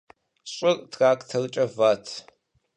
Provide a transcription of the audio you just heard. Щӏыр тракторкӏэ ват.